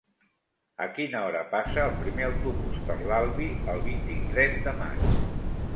A quina hora passa el primer autobús per l'Albi el vint-i-tres de maig?